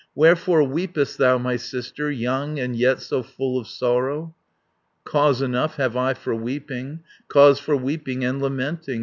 "Wherefore weepest thou, my sister, Young, and yet so full of sorrow?" "Cause enough have I for weeping, Cause for weeping and lamenting.